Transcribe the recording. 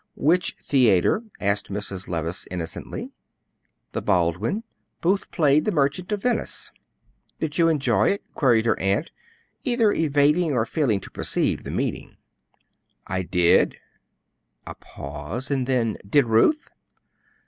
"Which theatre?" asked Mrs. Levice, innocently. "The Baldwin; Booth played the 'Merchant of Venice.'" "Did you enjoy it?" queried her aunt, either evading or failing to perceive the meaning. "I did." A pause, and then, "Did Ruth?"